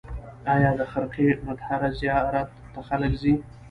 آیا د خرقه مطهره زیارت ته خلک ځي؟